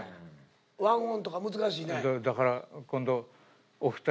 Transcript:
ワンオンとか難しいね。